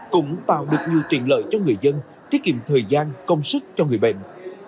cũng tạo được nhiều tiền lợi cho người dân thiết kiệm thời gian công sức cho người bệnh